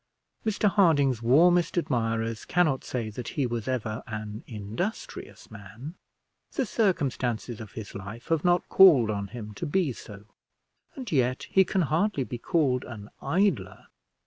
Mr Harding's warmest admirers cannot say that he was ever an industrious man; the circumstances of his life have not called on him to be so; and yet he can hardly be called an idler.